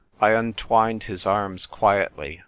" I untwined his arms quietly.